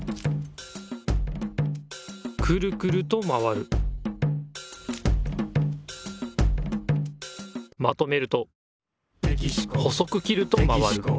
くるくるとまわるまとめると細く切るとまわる。